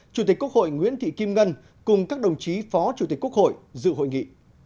chủ tịch quốc hội nguyễn thị kim ngân cùng các đồng chí phó chủ tịch quốc hội dự hội nghị